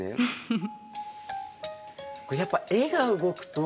フフ。